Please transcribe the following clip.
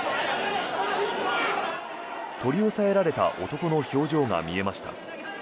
取り押さえられた男の表情が見えました。